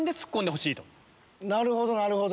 なるほどなるほど。